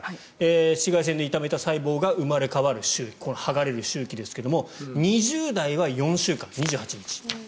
紫外線で痛めた細胞が生まれ変わる周期剥がれる周期ですが２０代は４週間、２８日。